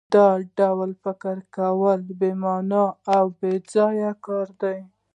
دا ډول فکر کول بې مانا او بېځایه کار دی